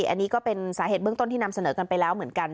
อันนี้ก็เป็นสาเหตุเบื้องต้นที่นำเสนอกันไปแล้วเหมือนกัน